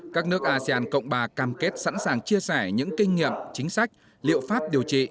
các nước asean cộng bà cam kết sẵn sàng chia sẻ những kinh nghiệm chính sách liệu pháp điều trị